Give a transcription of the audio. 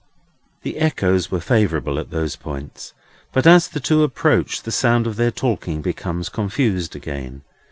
The echoes were favourable at those points, but as the two approach, the sound of their talking becomes confused again.